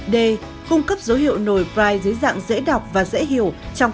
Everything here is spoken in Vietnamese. d cung cấp dấu hiệu nổi brig dưới dạng dễ đọc và dễ hiểu